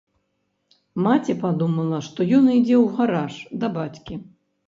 Маці падумала, што ён ідзе ў гараж да бацькі.